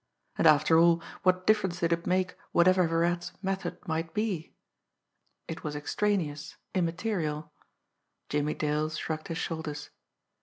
And, after all, what difference did it make whatever Virat's method might be! It was extraneous, immaterial. Jimmie Dale shrugged his shoulders.